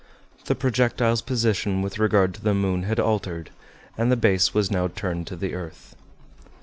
The projectile's position with regard to the moon had altered, and the base was now turned to the earth.